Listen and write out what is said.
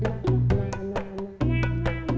antin pisah kenapa